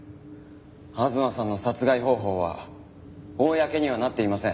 吾妻さんの殺害方法は公にはなっていません。